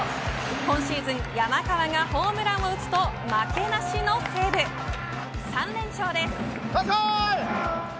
今シーズン山川がホームランを打つと負けなしの西武３連勝です。